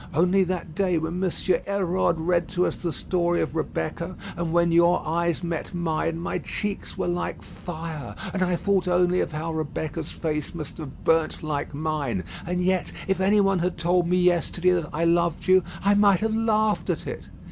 Only that day, when M. Hérode read to us the story of Rebecca, and when your eyes met mine, my cheeks were like fire, and I thought only of how Rebecca's face must have burnt like mine; and yet, if any one had told me yesterday that I loved you, I might have laughed at it.